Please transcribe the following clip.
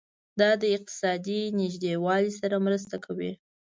دا د اقتصادي نږدیوالي سره مرسته کوي.